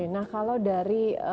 nah kalau dari